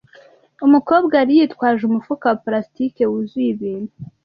Umukobwa yari yitwaje umufuka wa plastiki wuzuye ibintu.